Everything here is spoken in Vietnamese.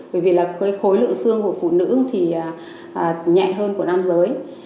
bởi vì là khối lượng xương của phụ nữ thì nhẹ hơn của nam giới